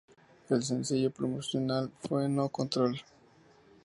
El sencillo promocional fue "No Control".